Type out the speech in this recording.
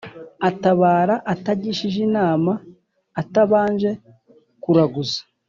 Atabara atagishije inama, atabanje kuraguza